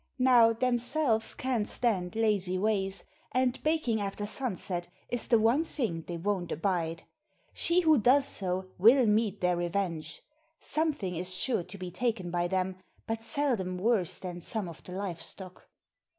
Now, Themselves can't stand lazy ways, and baking after sunset is the one thing they won't abide. She who does so will meet their revenge something is sure to be taken by them, but seldom worse than some of the live stock.